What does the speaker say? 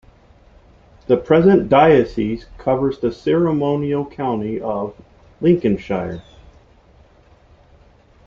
The present diocese covers the ceremonial county of Lincolnshire.